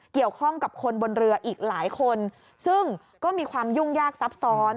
เกี่ยวข้องกับคนบนเรืออีกหลายคนซึ่งก็มีความยุ่งยากซับซ้อน